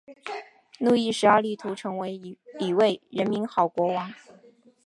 路易十二力图成为一位人民的好国王。